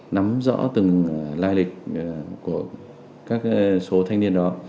lai lịch của các số thanh niên đó